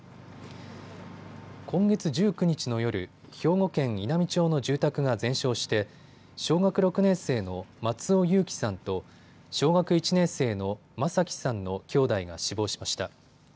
今月１９日の夜、兵庫県稲美町の住宅が全焼して小学６年生の松尾侑城さんと小学１年生の眞輝さんの兄弟が死亡しました。